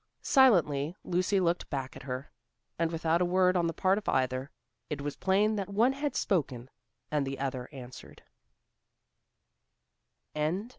Silently Lucy looked back at her. And without a word on the part of either, it was plain that one had spoken and the other answered.